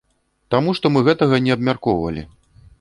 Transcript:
Таму што мы гэтага не абмяркоўвалі.